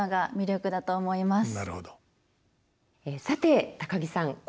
さて高木さん